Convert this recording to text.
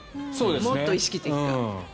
もっと意識的か。